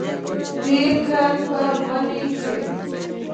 تیر کال په مني کې